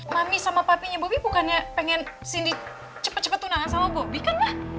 mami sama papinya bobi bukannya pengen sindi cepet cepet tunangan sama bobi kan lah